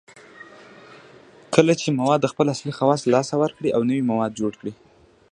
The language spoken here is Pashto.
کله چې مواد خپل اصلي خواص له لاسه ورکړي او نوي مواد جوړ کړي